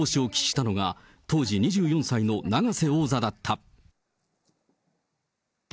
唯一黒星を喫したのが、当時２４歳の永瀬王座だった。